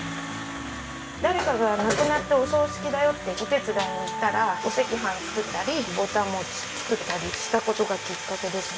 誰かが亡くなってお葬式だよってお手伝いに行ったらお赤飯作ったりぼた餅作ったりした事がきっかけですね。